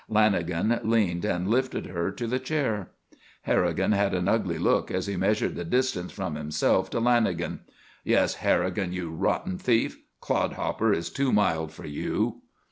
Lanagan leaned and lifted her to the chair. Harrigan had an ugly look as he measured the distance from himself to Lanagan. "Yes, Harrigan; you rotten thief. Clodhopper is too mild for you!"